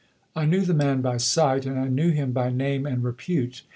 I knew the man by sight, and I knew him by name and repute.